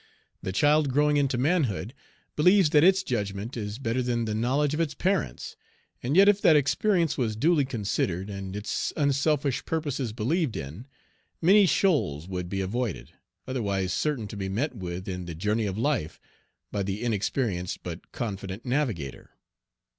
The child growing into manhood, believes that its judgment is better than the knowledge of its parents; and yet if that experience was duly considered, and its unselfish purposes believed in, many shoals would be avoided, otherwise certain to be met with in the journey of life, by the inexperienced but confident navigator.